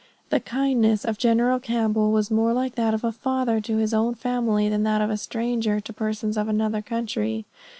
The kindness of General Campbell was more like that of a father to his own family, than that of a stranger to persons of another country.